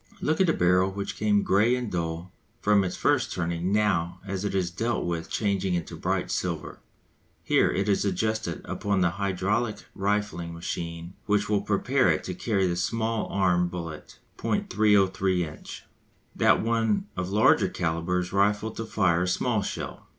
Look at the barrel which came grey and dull from its first turning now as it is dealt with changing into bright silver. Here it is adjusted upon the hydraulic rifling machine which will prepare it to carry the small arm bullet (.303 inch). That one of larger calibre is rifled to fire a small shell.